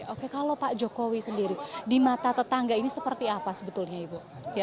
oke kalau pak jokowi sendiri di mata tetangga ini seperti apa sebetulnya ibu